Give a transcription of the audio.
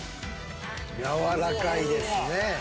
軟らかいですね！